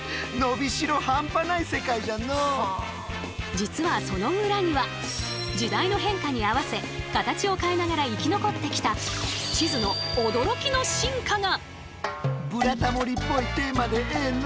実はその裏には時代の変化に合わせ形を変えながら生き残ってきた地図の驚きの進化が！